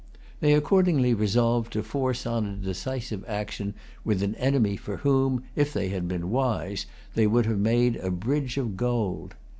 They accordingly resolved to force on a decisive action with an enemy for whom, if they had been wise, they would have made a bridge of gold.